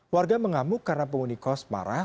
warga mengamuk karena penghuni kos marah